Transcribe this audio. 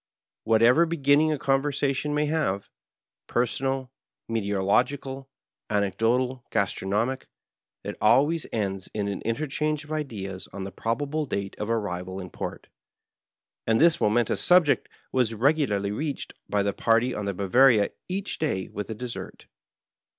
Wliat eyer beginning a conversation may have — ^personal, me teorological, anecdotal, gastronomic — ^it always ends in an interchange of ideas on the probable date of arrival in port, and this momentous subject was regularly reached by the party on the Bwoa/ria each day with the dessert.